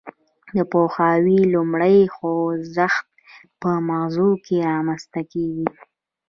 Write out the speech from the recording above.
د پوهاوي لومړی خوځښت په مغزو کې رامنځته کیږي